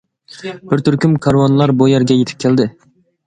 بىر تۈركۈم كارۋانلار بۇ يەرگە يېتىپ كەلدى.